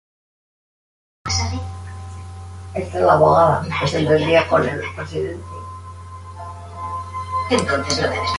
Permiten solo que Carter y O'Neill vuelvan a la tierra para hablar con Jacob.